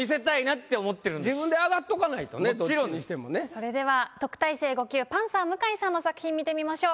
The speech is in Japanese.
それでは特待生５級パンサー向井さんの作品見てみましょう。